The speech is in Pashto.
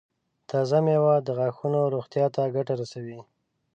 تازه مېوه د غاښونو روغتیا ته ګټه رسوي.